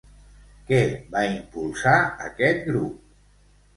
Què va impulsar aquest grup?